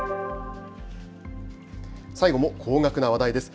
最後も高額な話題です。